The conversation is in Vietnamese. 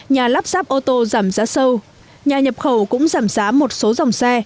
nhà lắp ráp ô tô giảm giá sâu nhà nhập khẩu cũng giảm giá một số dòng xe